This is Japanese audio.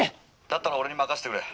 「だったら俺に任せてくれ。